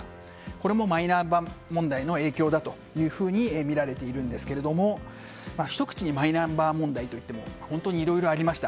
これもマイナンバー問題の影響だとみられているんですが、ひと口にマイナンバー問題といっても本当にいろいろありました。